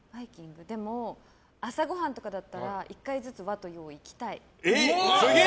朝ごはんとかだったら１回ずつ、和と洋いきたい。